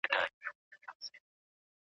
ایران ته د درملنې لپاره تلل څنګه دي؟